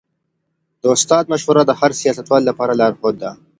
د استاد مشوره د هر سياستوال لپاره لارښود ده.